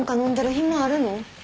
暇あるの？